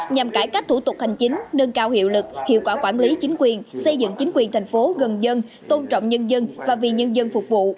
nhằm cải cách thủ tục hành chính nâng cao hiệu lực hiệu quả quản lý chính quyền xây dựng chính quyền thành phố gần dân tôn trọng nhân dân và vì nhân dân phục vụ